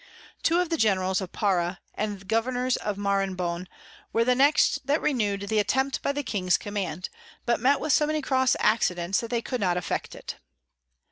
Two of the Generals of Para and Governours of Maranhon were the next that renew'd the Attempt by the King's Command, but met with so many cross Accidents that they could not effect it.